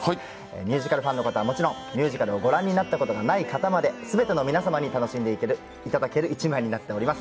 ミュージカルファンの方はもちろん、ミュージカルを御覧になったことがない方まで全ての皆様に楽しんでいただける一枚になっております。